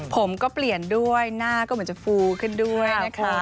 ผมก็เปลี่ยนด้วยหน้าก็เหมือนจะฟูขึ้นด้วยนะคะ